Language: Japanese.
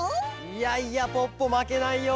いやいやポッポまけないよ！